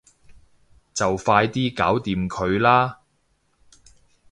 就快啲搞掂佢啦